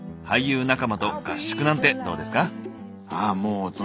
俳優仲間と合宿なんてどうですか？